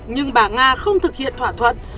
nhưng bà nga không thực hiện thỏa thuận